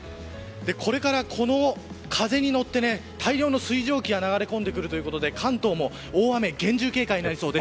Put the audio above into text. これから風に乗って大量の水蒸気が流れ込んでくるということで関東も大雨に厳重警戒の予想です。